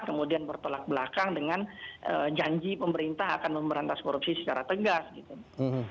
kemudian bertolak belakang dengan janji pemerintah akan memberantas korupsi secara tegas gitu